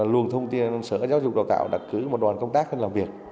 luồng thông tin sở giáo dục đào tạo đặt cử một đoàn công tác lên làm việc